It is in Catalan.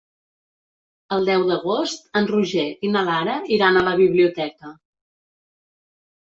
El deu d'agost en Roger i na Lara iran a la biblioteca.